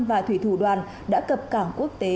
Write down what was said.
và thủy thủ đoàn đã cập cảng quốc tế